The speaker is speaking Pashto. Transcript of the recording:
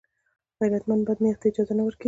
غیرتمند بد نیت ته اجازه نه ورکوي